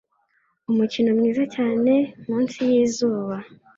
Umukino mwiza cyane munsi yizuba